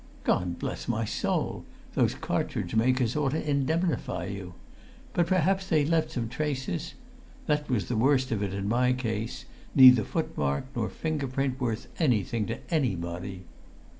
"God bless my soul! Those cartridge makers ought to indemnify you. But perhaps they left some traces? That was the worst of it in my case neither footmark nor finger print worth anything to any body!"